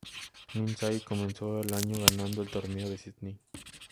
Lindsay comenzó el año ganando el Torneo de Sídney.